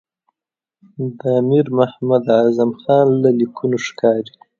د امیر محمد اعظم خان له لیکونو ښکاري.